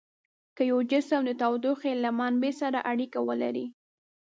که یو جسم د تودوخې له منبع سره اړیکه ولري.